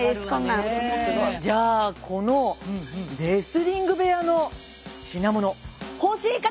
じゃあこのレスリング部屋の品物欲しい方！